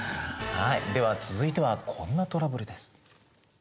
はいでは続いてはこんなトラブルです。